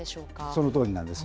そのとおりなんです。